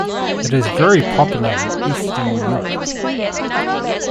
It is very popular in Eastern Europe.